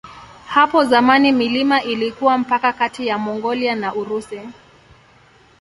Hapo zamani milima ilikuwa mpaka kati ya Mongolia na Urusi.